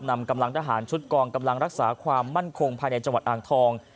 นำกำลังทหารชุดกองกำลังรักษาความมั่นคงภายในจังหวัดอ่างทอง